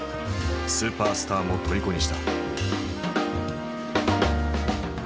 スーパースターもとりこにした。